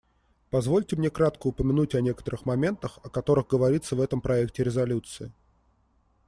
Позвольте мне кратко упомянуть о некоторых моментах, о которых говорится в этом проекте резолюции.